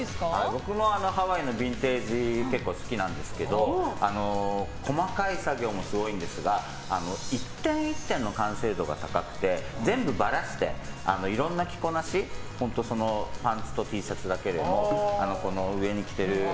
僕もハワイのビンテージ結構好きなんですけど細かい作業もすごいんですが１点１点の完成度が高くて全部ばらして、いろんな着こなしやさしいマーン！！